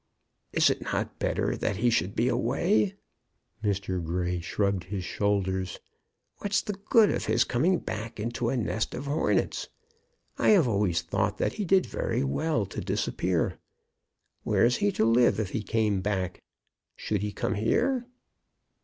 "Is it not better that he should be away?" Mr. Grey shrugged his shoulders. "What's the good of his coming back into a nest of hornets? I have always thought that he did very well to disappear. Where is he to live if he came back? Should he come here?"